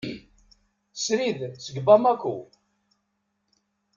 Srid seg Bamako.